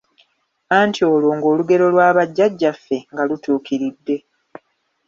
Anti olwo ng’olugero lwa Bajjajjaffe nga lutuukiridde;